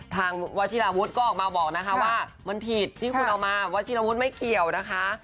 วัชิราวุฒิก็ออกมาบอกนะคะว่ามันผิดที่คุณเอามาวัชิรวุฒิไม่เกี่ยวนะคะ